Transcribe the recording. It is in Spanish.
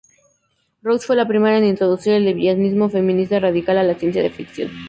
Russ fue la primera en introducir el lesbianismo feminista radical en la ciencia ficción.